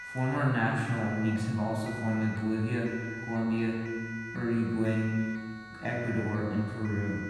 Formal national leagues have also formed in Bolivia, Colombia, Uruguay, Ecuador and Peru.